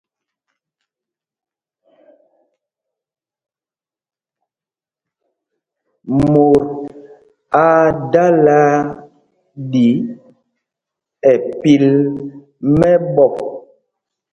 Mot aa dala ɗí ɛ́ pil mɛ̄ɓɔ̄.